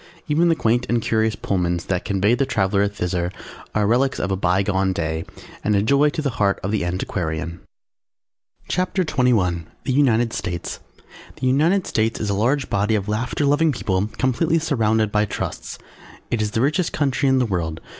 Even the quaint and curious Pullmans that convey the traveller thither are relics of a bygone day and a joy to the heart of the antiquarian. CHAPTER XXI THE UNITED STATES The United States is a large body of laughter loving people completely surrounded by Trusts. It is the richest country in the world.